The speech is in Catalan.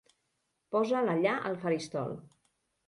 Posa'l allà al faristol.